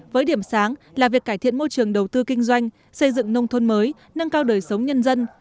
với điểm sáng là việc cải thiện môi trường đầu tư kinh doanh xây dựng nông thôn mới nâng cao đời sống nhân dân